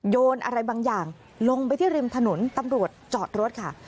โยนอะไรบางอย่างลงไปที่ริมถนนตำรวจจอดรถค่ะ